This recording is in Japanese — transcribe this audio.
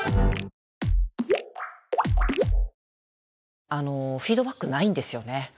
フィードバックないんですよね。